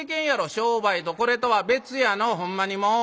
「商売とこれとは別やのほんまにもう。